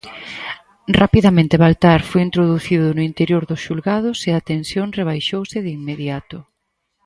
Rapidamente Baltar foi introducido no interior dos xulgados e a tensión rebaixouse de inmediato.